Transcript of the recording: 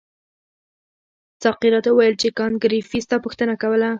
ساقي راته وویل چې کانت ګریفي ستا پوښتنه کوله.